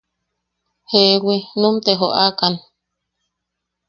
Jeewi, num te joʼakan.